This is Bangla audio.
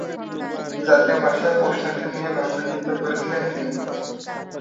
জাতীয় ভাষার প্রশ্নটি নিয়ে ভাবনা চিন্তা করেছিলেন তিনি।